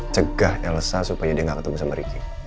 cegah elsa supaya dia nggak ketemu sama ricky